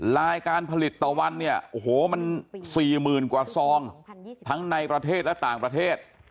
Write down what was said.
ลายการผลิตต่อวันเนี่ยโอ้โหมัน๔๐๐๐กว่าซองทั้งในประเทศและต่างประเทศ